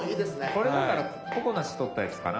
これだからここな氏撮ったやつかな？